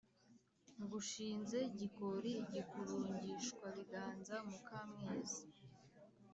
ngushinze gikoli igikurungishwabiganza muka mwezi